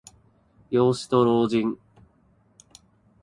幼子と老人。